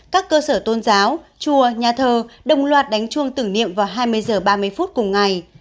các cơ sở tôn giáo chùa nhà thờ đồng loạt đánh chuông tưởng niệm vào hai mươi h ba mươi phút cùng ngày